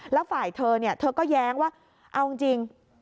แล้วฝ่ายเธอเธอก็แย้งว่าเอาจริง